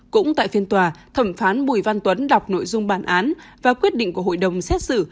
cũng tại phiên tòa thẩm phán bùi văn tuấn đọc nội dung bản án và quyết định của hội đồng xét xử